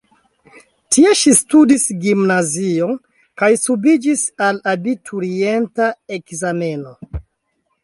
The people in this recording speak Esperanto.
Tie ŝi studis gimnazion kaj subiĝis al abiturienta ekzameno.